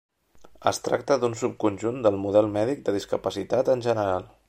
Es tracta d'un subconjunt del model mèdic de discapacitat en general.